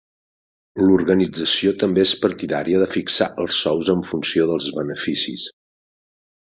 L'organització també és partidària de fixar els sous en funció dels beneficis.